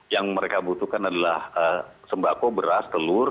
yang mereka butuhkan adalah sembako beras telur